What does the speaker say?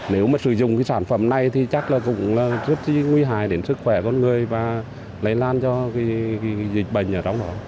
nếu mà sử dụng cái sản phẩm này thì chắc là cũng rất là nguy hại đến sức khỏe con người và lấy lan cho cái dịch bệnh ở trong đó